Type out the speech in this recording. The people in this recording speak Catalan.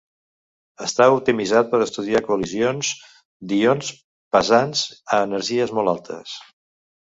Està optimitzat per estudiar col·lisions d'ions pesants a energies molt altes.